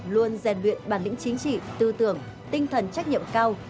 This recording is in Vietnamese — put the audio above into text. luôn rèn luyện bản lĩnh chính trị tư tưởng tinh thần trách nhiệm cao